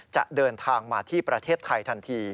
จะเดินทางมาที่ประเทศไทยทันที